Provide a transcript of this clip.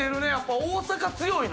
大阪強いの？